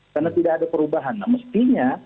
karena tidak ada perubahan nah mestinya